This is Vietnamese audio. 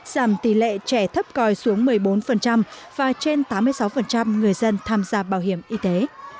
giảm tỷ lệ trẻ thấp coi xuống một mươi bốn và trên tám mươi sáu người dân tham gia bảo hiểm y tế